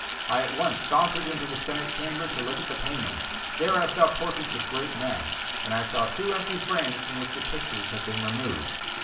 I at once sauntered into the Senate Chamber to look at the paintings; there I saw portraits of great men, and I saw two empty frames from which the pictures had been removed.